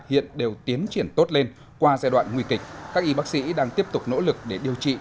hiện đều tiến triển tốt lên qua giai đoạn nguy kịch các y bác sĩ đang tiếp tục nỗ lực để điều trị